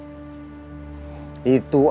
adalah tanda tanda akhir zaman